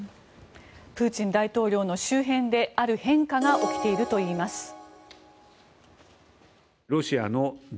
プーチン大統領の周辺である変化が起きているといいます。